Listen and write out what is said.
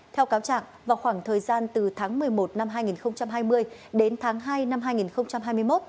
theo cáo trạng vào khoảng thời gian từ tháng một mươi một năm hai nghìn hai mươi đến tháng hai năm hai nghìn hai mươi một